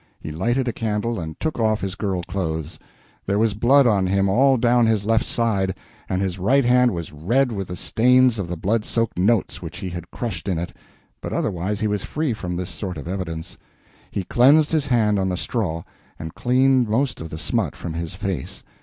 He lighted a candle and took off his girl clothes. There was blood on him all down his left side, and his right hand was red with the stains of the blood soaked notes which he had crushed in it; but otherwise he was free from this sort of evidence. He cleansed his hand on the straw, and cleaned most of the smut from his face.